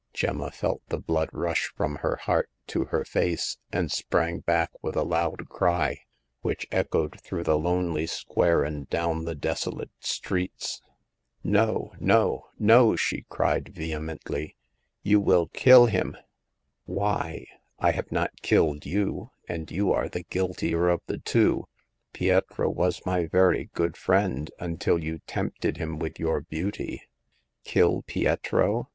Gemma felt the blood rush from her heart to her face, and sprang back with a loud cry, which echoed through the lonely square and down the desolate streets. No, no, no !" she cried, vehemently. " You will kill him !"Why ? I have not killed you, and you are the guiltier of the two. Pietro was my very good friend until you tempted him with your beauty. Kill Pietro